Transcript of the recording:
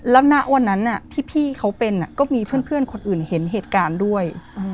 แล้วณวันนั้นที่พี่เขาเป็นก็มีเพื่อนคนอื่นเห็นเหตุการณ์ด้วย